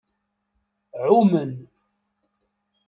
Ɛumen.